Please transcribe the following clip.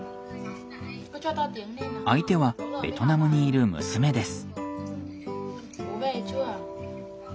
相手はベトナムにいる娘です。